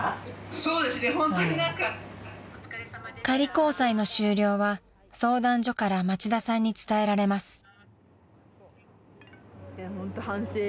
［仮交際の終了は相談所から町田さんに伝えられます］